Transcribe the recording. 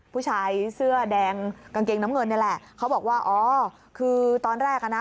ผู้ชายเสื้อแดงกางเกงน้ำเงินนี่แหละเขาบอกว่าอ๋อคือตอนแรกอ่ะนะ